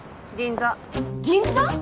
銀座銀座！？